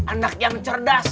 anak yang cerdas